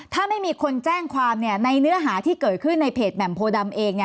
ถ้าไม่มีคนแจ้งความในเนื้อหาที่เกิดขึ้นในเพจแหม่มโพดำเอง